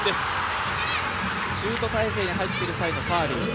シュート体勢に入っているときのファウル。